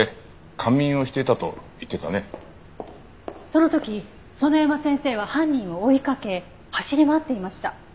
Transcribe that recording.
その時園山先生は犯人を追いかけ走り回っていました。